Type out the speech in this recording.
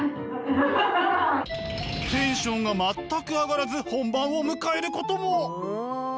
テンションが全く上がらず本番を迎えることも！